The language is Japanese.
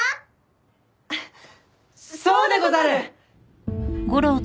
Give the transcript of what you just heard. そうでござる！